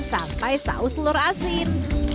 sampai saus telur asin